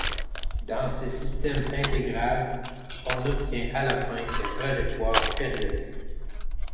dans ces systèmes intégrables on obtient à la fin des trajectoires périodiques